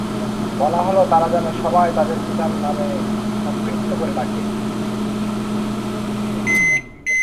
বলা হলো তারা যেন সবাই তাদের পিতার নামে সম্পৃক্ত করে ডাকে।